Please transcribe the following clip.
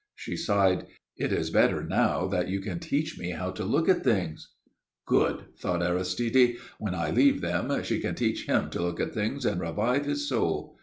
She sighed. "It is better now that you can teach me how to look at things." "Good!" thought Aristide. "When I leave them she can teach him to look at things and revive his soul.